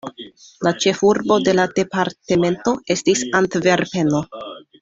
La ĉefurbo de la departemento estis Antverpeno.